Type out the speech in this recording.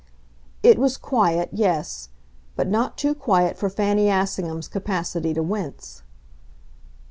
It was quiet yes; but not too quiet for Fanny Assingham's capacity to wince.